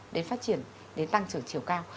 đến phát triển đến tăng trưởng chiều cao